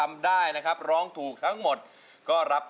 มีปัญหาเบอร์ทำบ่อย